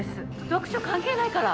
読書関係ないから！